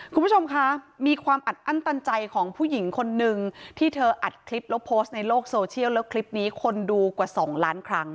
คุณผู้ชมคะมีความอัดอั้นตันใจของผู้หญิงคนนึงที่เธออัดคลิปแล้วโพสต์ในโลกโซเชียลแล้วคลิปนี้คนดูกว่า๒ล้านครั้ง